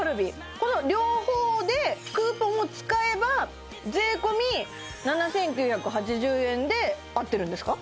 この両方でクーポンも使えば税込７９８０円で合ってるんですか？